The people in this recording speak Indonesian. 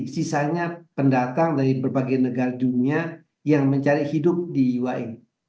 sisanya pendatang dari berbagai negara dunia yang mencari hidup di uae